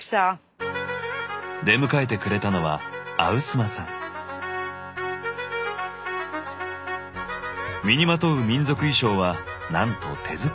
出迎えてくれたのは身にまとう民族衣装はなんと手作りだそう。